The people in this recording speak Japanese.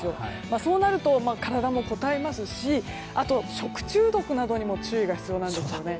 そうなると体もこたえますしあと、食中毒などにも注意が必要なんですね。